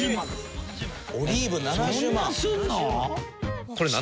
オリーブ７０万！？